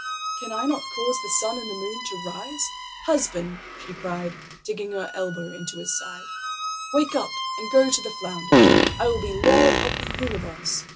can I not cause the sun and the moon to rise? Husband!" she cried, digging her elbow into his side, "wake up and go to the flounder. I will be lord of the universe."